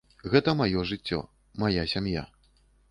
Гэта маё жыццё, мая сям'я.